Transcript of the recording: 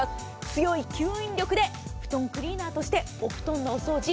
強い吸引力で布団クリーナーとしてお布団のお掃除